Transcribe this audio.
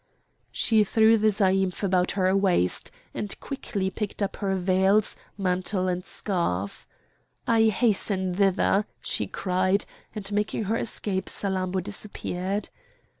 She threw the zaïmph about her waist, and quickly picked up her veils, mantle, and scarf. "I hasten thither!" she cried; and making her escape Salammbô disappeared.